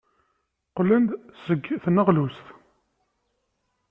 Qqlen-d seg tneɣlust.